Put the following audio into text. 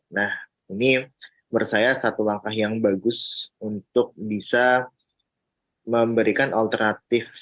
nah ini menurut saya satu langkah yang bagus untuk bisa memberikan alternatif